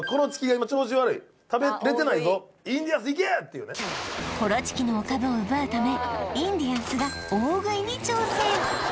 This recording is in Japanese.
なるほどその今コロチキのお株を奪うためインディアンスが大食いに挑戦！